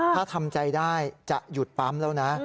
ถ้าทำใจได้จะหยุดปั๊มแล้วนะ